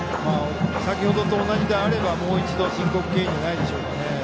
先程と同じであればもう一度、申告敬遠じゃないでしょうか。